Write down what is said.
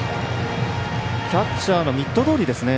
キャッチャーのミットどおりですね。